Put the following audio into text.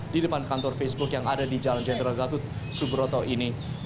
di depan kantor facebook yang ada di jalan jenderal gatot subroto ini